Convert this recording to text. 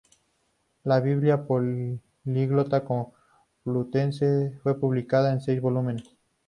La "Biblia políglota complutense" fue publicada en seis volúmenes.